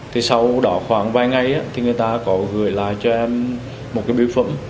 thì sau đó khoảng vài ngày thì người ta có gửi lại cho em một cái biêu phẩm